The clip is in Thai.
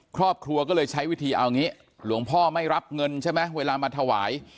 ครอบครัวก็เลยใช้วิธีเอางี้หลวงพ่อไม่รับเงินใช่ไหมเวลามาถวาย